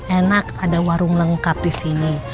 enak ada warung lengkap di sini